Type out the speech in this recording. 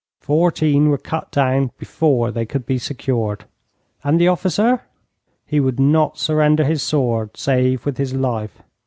'Fourteen were cut down before they could be secured.' 'And the officer?' 'He would not surrender his sword save with his life.